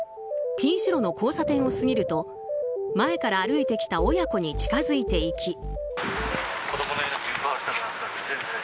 Ｔ字路の交差点を過ぎると前から歩いてきた親子に近づいていき。